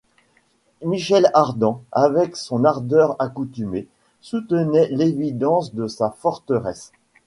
Michel Ardan, avec son ardeur accoutumée, soutenait « l’évidence » de sa forteresse.